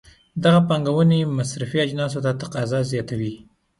دغه پانګونې مصرفي اجناسو ته تقاضا زیاتوي.